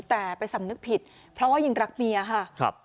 แต่ไปสำนึกผิดเพราะว่ายังรักเมียค่ะ